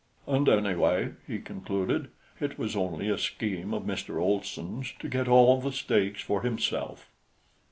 "And anyway," he concluded, "it was only a scheme of Mr. Olson's to get all the steaks for himself."